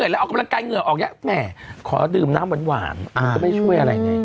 อุ๊ยตายแล้วเหนื่อยคอดื่มน้ำหวานมันก็ไม่ช่วยอะไรไง